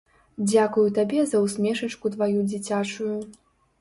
Дзякую табе за ўсмешачку тваю дзіцячую.